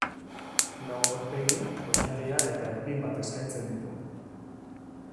Lau aurpegi, oinarria eta erpin bat eskaintzen ditu.